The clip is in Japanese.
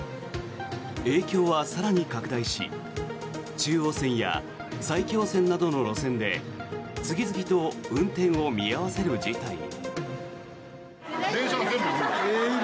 影響は更に拡大し中央線や埼京線などの路線で次々と運転を見合わせる事態に。